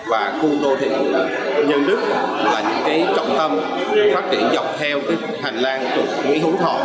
và khu đô thị nhân đức là những trọng tâm phát triển dọc theo hành lang nghĩa hú thọ kết nối từ phía quận bảy